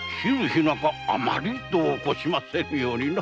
あまり度をこしませぬようにな。